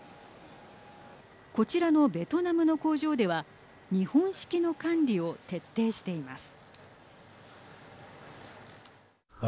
こちらのベトナムの工場では日本式の管理を徹底しています。